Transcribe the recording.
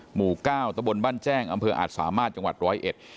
หมู่เก้าตะบนบ้านแจ้งอำเภออาจสามารถจังหวัดร้อยเอ็ด